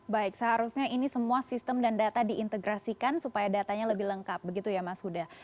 baik seharusnya ini semua sistem dan data diintegrasikan supaya datanya lebih lengkap begitu ya mas huda